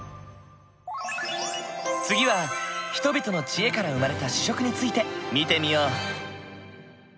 次は人々の知恵から生まれた主食について見てみよう。